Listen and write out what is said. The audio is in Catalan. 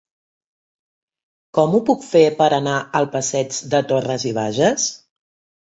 Com ho puc fer per anar al passeig de Torras i Bages?